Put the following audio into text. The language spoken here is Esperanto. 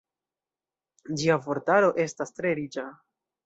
Ĝia vortaro estas tre riĉa.